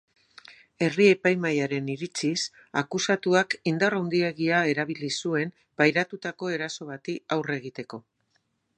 Herri-epaimahaiaren iritziz, akusatuak indar handiegia erabili zuen pairatutako eraso bati aurre egiteko.